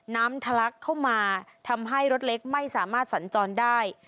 ทะลักเข้ามาทำให้รถเล็กไม่สามารถสัญจรได้